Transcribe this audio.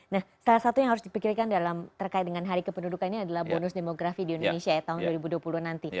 nah salah satu yang harus dipikirkan terkait dengan hari kependudukan ini adalah bonus demografi di indonesia ya tahun dua ribu dua puluh nanti